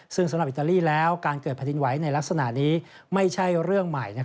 ซึ่งสำหรับอิตาลีแล้วการเกิดแผ่นดินไหวในลักษณะนี้ไม่ใช่เรื่องใหม่